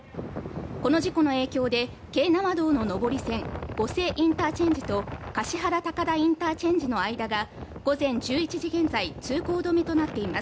この事故の影響で京奈和道の上り線・御所インターチェンジと橿原高田インターチェンジの間が午前１１時現在、通行止めとなっています。